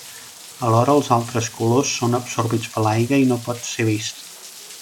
Alhora, els altres colors són absorbits per l'aigua i no pot ser vist.